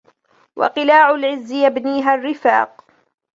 و قلاع العز يبنيها الرفاق